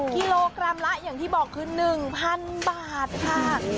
กิโลกรัมละอย่างที่บอกคือ๑๐๐๐บาทค่ะ